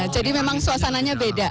jadi memang suasananya beda